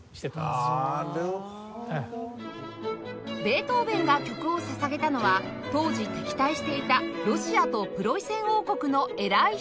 ベートーヴェンが曲を捧げたのは当時敵対していたロシアとプロイセン王国の偉い人